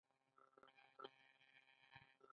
آیا او سرلوړي اوسو؟